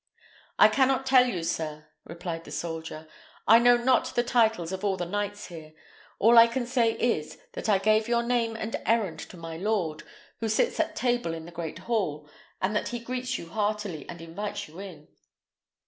"I cannot tell you, sir," replied the soldier. "I know not the titles of all the knights here. All I can say is, that I gave your name and errand to my lord, who sits at table in the great hall, and that he greets you heartily and invites you in."